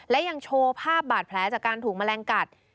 และยังโชว์ภาพบาดแผลจากการถูกแมลงกัด